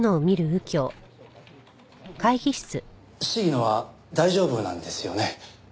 鴫野は大丈夫なんですよね？